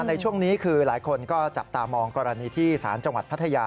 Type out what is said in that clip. ในช่วงนี้คือหลายคนก็จับตามองกรณีที่ศาลจังหวัดพัทยา